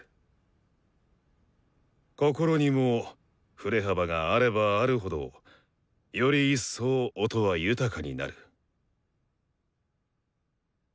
心にも振れ幅があればあるほどより一層音は豊かになる。